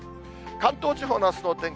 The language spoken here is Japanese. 関東地方のあすのお天気